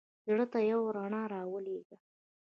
زړه ته یوه رڼا را ولېږه.